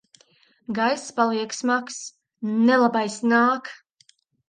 Gaiss paliek smags. Nelabais nāk!